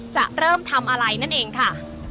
จะเริ่มทำอะไรนั่นเองค่ะ